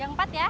yang empat ya